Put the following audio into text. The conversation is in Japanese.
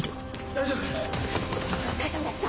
大丈夫ですか？